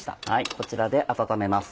こちらで温めます。